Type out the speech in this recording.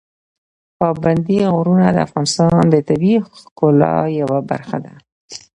پابندي غرونه د افغانستان د طبیعي ښکلا یوه برخه ده.